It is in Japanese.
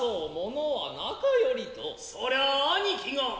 そりゃァ兄貴が。